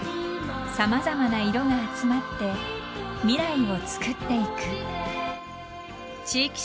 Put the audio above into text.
［様々な色が集まって未来をつくっていく］